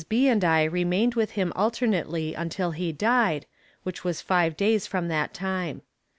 B. and I remained with him alternately until he died, which was five days from that time.